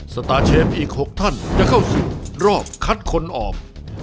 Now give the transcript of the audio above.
สตาร์เชฟอีก๖ท่านจะเข้าสู่รอบคัดคนออก